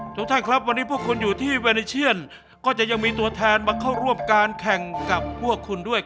ทุกท่านครับวันนี้พวกคุณอยู่ที่เวเนเชียนก็จะยังมีตัวแทนมาเข้าร่วมการแข่งกับพวกคุณด้วย